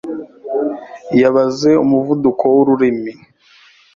Yabaze umuvuduko wurumuri.